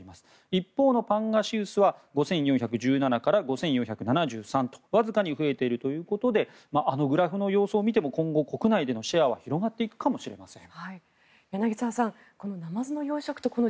一方のパンガシウスは５４１７トンから５４７３トンわずかに増えているということであのグラフの様子を見ても今後、国内でのシェアは広がっていくかもしれません。